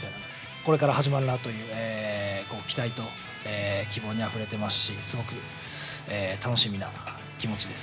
これから始まるなという期待と希望にあふれてますし、すごく楽しみな気持ちです。